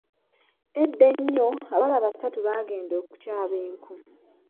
Edda ennyo, abawala basatu baagenda okutyaba enku.